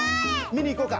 みにいこうか。